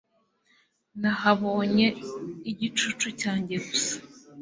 nahabonye Igicucu cyanjye gusa